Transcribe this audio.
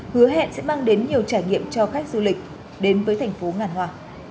hứa hẹn sẽ mang đến nhiều trải nghiệm cho khách du lịch đến với thành phố ngàn hòa